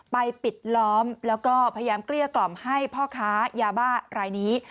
ปิดล้อมแล้วก็พยายามเกลี้ยกล่อมให้พ่อค้ายาบ้ารายนี้